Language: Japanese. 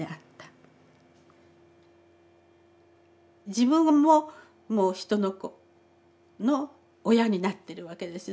自分ももう人の子の親になってるわけですよね。